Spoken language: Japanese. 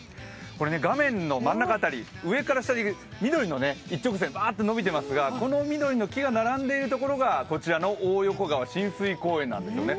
画面の真ん中辺り、上から下に緑の一直線、ずっと延びていますがこの緑の木が並んでいるところが大横川親水公園なんですよね。